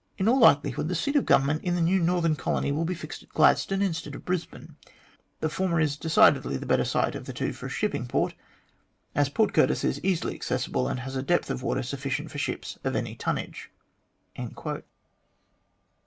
In all likelihood, the seat of Government in the new northern colony will be fixed at Gladstone instead of Brisbane. The former is decidedly the better site of the two for a shipping port, as Port Curtis is easily accessible, and has a depth of water sufficient for ships of any tonnage."